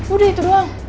udah itu doang